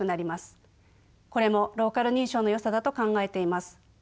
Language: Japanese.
これもローカル認証のよさだと考えています。